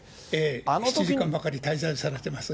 ７時間ばかり滞在されてますね。